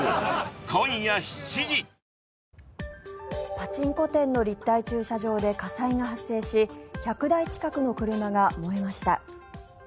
パチンコ店の立体駐車場で火災が発生し１００台近くの車が燃えました。